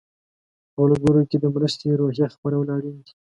په ملګرو کې د مرستې روحیه خپرول اړین دي.